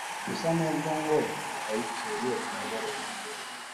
Gusa nubwo ngo yayituye umugore we